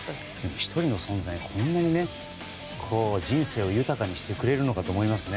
１人の存在がこんなに人生を豊かにしてくれるのかと思いますね。